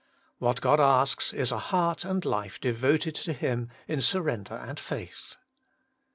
5. What God asks is a heart and life devoted to Him in surrender and faith.